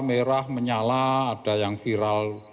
merah menyala ada yang viral